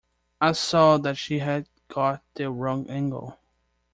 I saw that she had got the wrong angle.